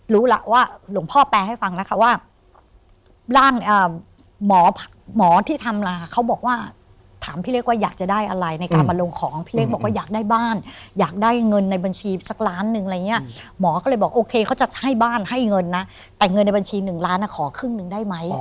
รู้แล้วว่าหลวงพ่อแปลให้ฟังนะคะว่าร่างหมอหมอที่ทำลาเขาบอกว่าถามพี่เล็กว่าอยากจะได้อะไรในการมาลงของพี่เล็กบอกว่าอยากได้บ้านอยากได้เงินในบัญชีสักล้านหนึ่งอะไรอย่างเงี้ยหมอก็เลยบอกโอเคเขาจะให้บ้านให้เงินนะแต่เงินในบัญชีหนึ่งล้านขอครึ่งหนึ่งได้ไหม